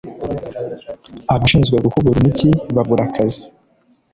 abashinzwe gukubura umugi babura akazi…